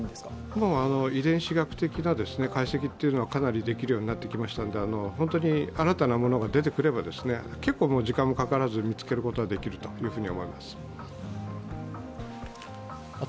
今は遺伝子学的な解析は、かなりできるようになってきましたので本当に新たなものが出てくれば結構時間もかからずに見つけることはできると思います。